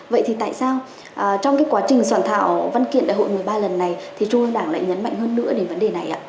vậy thì tại sao trong cái quá trình soạn thảo văn kiện đại hội một mươi ba lần này thì trung ương đảng lại nhấn mạnh hơn nữa đến vấn đề này ạ